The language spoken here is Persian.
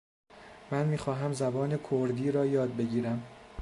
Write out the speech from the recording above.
من می خواهم زبان کردی را یاد بگیرم.